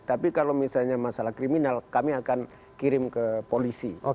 tapi kalau misalnya masalah kriminal kami akan kirim ke polisi